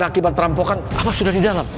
akibat perampokan apa sudah di dalam